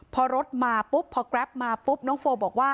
พอรถมาปุ๊บพอแกรปมาปุ๊บ